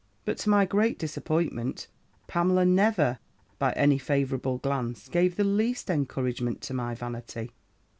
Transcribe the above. "But to my great disappointment, Pamela never, by any favourable glance, gave the least encouragement to my vanity.